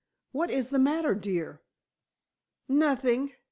"What is the matter, dear?" "Nothing!